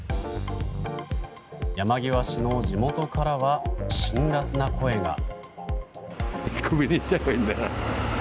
山際氏の地元からは辛辣な声が。